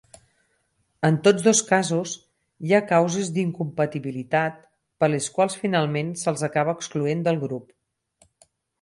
En tots dos casos, hi ha causes d'incompatibilitat per les quals finalment se'ls acaba excloent del grup.